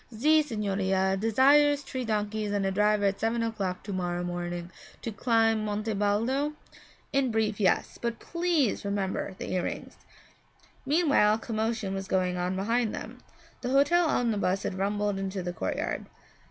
'Ze signorina desires tree donkeys and a driver at seven o'clock to morrow morning to climb Monte Baldo?' 'In brief, yes, but please remember the earrings.' Meanwhile a commotion was going on behind them. The hotel omnibus had rumbled into the courtyard.